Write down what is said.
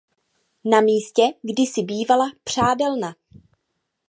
Na místě kdysi bývala přádelna.